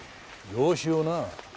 養子をなあ。